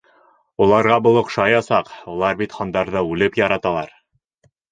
Уларға был оҡшаясаҡ, улар бит һандарҙы үлеп яраталар.